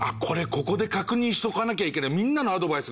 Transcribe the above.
ここで確認しとかなきゃいけない。